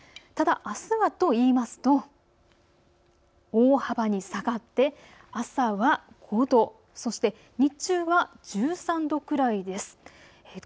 ただ、あすはといいますと大幅に下がって朝は５度、そして日中は１３度くらいです。